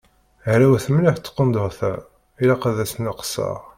Hrawet mliḥ tqendurt-a, ilaq ad as-sneqseɣ.